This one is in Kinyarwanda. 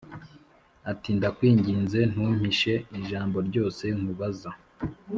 ati “Ndakwinginze, ntumpishe ijambo ryose nkubaza.”